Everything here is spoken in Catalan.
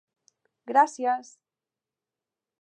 "Gràcies!"...